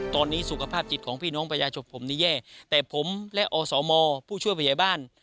ตอนนี้สุขภาพจิตของพี่น้องประชาชนผมนี่แย่แต่ผมและอสมผู้ช่วยผู้ใหญ่บ้าน